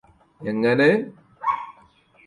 എങ്ങനെ